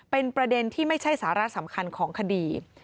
เป็นประเด็นที่ไม่ใช่สาระสำคัญของคดี